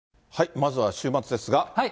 まずは週末ですが。